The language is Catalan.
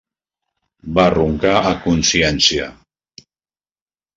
Va roncar a consciència.